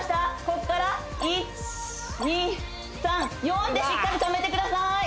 こっから１２３４でしっかり止めてください